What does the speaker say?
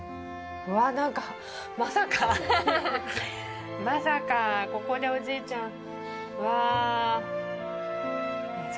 なんか、まさか、まさかここでおじいちゃん、うわーっ。